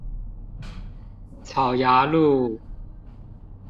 草衙路